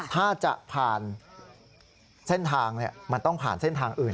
ถ้าจะผ่านเส้นทางมันต้องผ่านเส้นทางอื่น